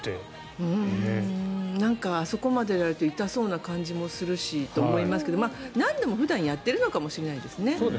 あそこまでやられると痛そうな感じもすると思いますが何度も普段やっているのかもしれませんね。